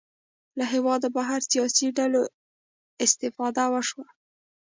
له هېواده بهر سیاسي ډلو استفاده وشوه